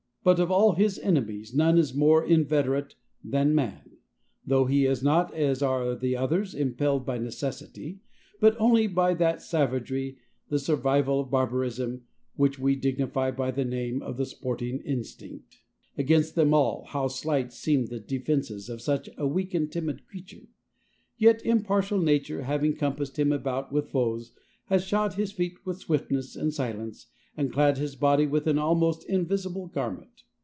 But of all his enemies none is more inveterate than man, though he is not, as are the others, impelled by necessity, but only by that savagery, the survival of barbarism, which we dignify by the name of the sporting instinct. Against them all, how slight seem the defenses of such a weak and timid creature. Yet impartial nature, having compassed him about with foes, has shod his feet with swiftness and silence, and clad his body with an almost invisible garment.